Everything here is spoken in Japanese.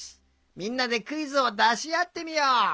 みんなでクイズをだしあってみよう。